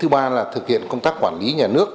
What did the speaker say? thứ ba là thực hiện công tác quản lý nhà nước